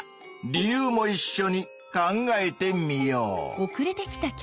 理由もいっしょに考えてみよう。